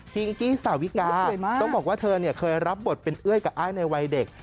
กี้สาวิกาต้องบอกว่าเธอเคยรับบทเป็นเอ้ยกับอ้ายในวัยเด็ก